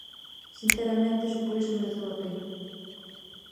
Sinceramente, só por iso mereceu a pena.